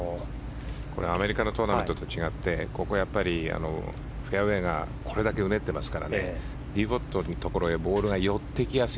アメリカのトーナメントと違ってここはフェアウェーがこれだけうねっていますからディボットのところへボールが寄ってきやすい。